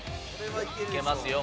いけますよ